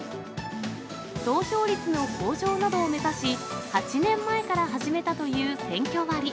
投票率の向上などを目指し、８年前から始めたという選挙割。